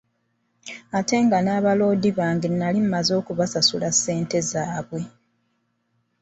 Ate nga n'abaloodi bange nali maze okubasasula ssente zaabwe.